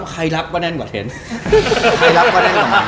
ใครรับก็แน่นกว่าเทรนด์